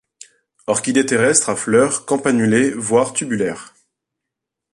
Orchidées terrestres à fleurs campanulées voir tubulaires.